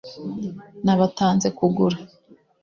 nabatanze kugura